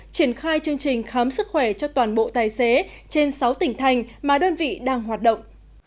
triển khai chương trình khám sức khỏe cho toàn bộ tài xế trên sáu tỉnh thành mà đơn vị đang hoạt động